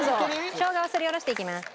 しょうがをすりおろしていきます。